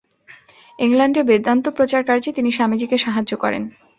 ইংলণ্ডে বেদান্ত-প্রচারকার্যে তিনি স্বামীজীকে সাহায্য করেন।